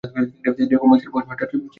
তিনি কমেক্সের পোস্টমাস্টার ছিলেন।